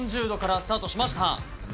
３０度からスタートしました。